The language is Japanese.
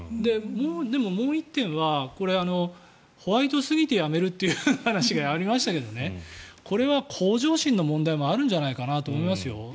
もう１点は、これホワイトすぎて辞めるという話がありましたけどこれは向上心の問題もあるんじゃないかなと思いますよ。